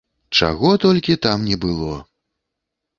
Чаго толькі там не было!